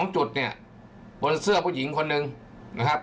๓จุดเนี่ยบนเสื้อผู้หญิงคนหนึ่งนะครับ